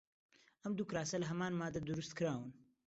ئەم دوو کراسە لە هەمان ماددە دروست کراون.